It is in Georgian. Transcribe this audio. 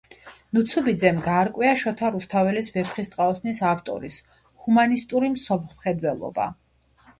ნუცუბიძემ გაარკვია შოთა რუსთაველის ვეფხისტყაოსნის ავტორის ჰუმანისტური მსოფლმხედველობა.